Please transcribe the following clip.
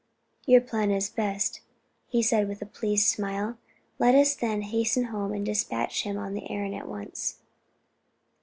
"Your plan is best," he said with a pleased smile. "Let us then hasten home and dispatch him on the errand at once."